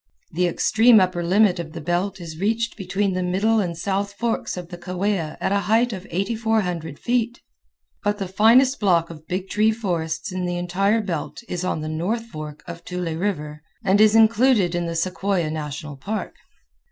The extreme upper limit of the belt is reached between the middle and south forks of the Kaweah at a height of 8400 feet, but the finest block of big tree forests in the entire belt is on the north fork of Tule River, and is included in the Sequoia National Park.